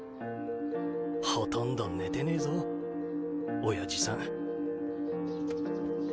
ほとんど寝てねぇぞ親父さん。